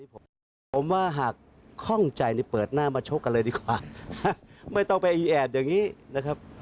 ผมว่าหากคล่องใจนี่เปิดหน้ามาชกกันเลยดีกว่าไม่ต้องไปอีแอบอย่างนี้นะครับ